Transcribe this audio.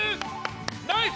ナイス！